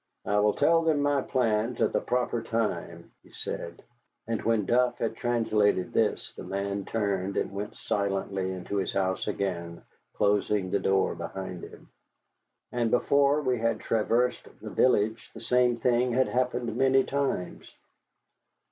"I will tell them my plans at the proper time," he said and when Duff had translated this the man turned and went silently into his house again, closing the door behind him. And before we had traversed the village the same thing had happened many times.